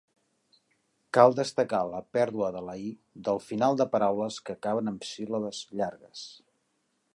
Cal destacar la pèrdua de la "-i" del final de paraules que acaben amb síl·labes llargues.